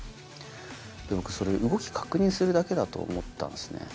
僕それ動き確認するだけだと思ったんですね。